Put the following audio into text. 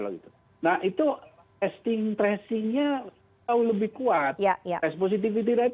nah itu testing presiden